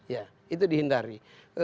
ya itu dihindari